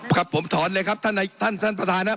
ครับผมถอนเลยครับท่านท่านประธานครับ